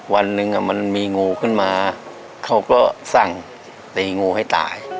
วันหนึ่งมันมีงูขึ้นมาเขาก็สั่งตีงูให้ตาย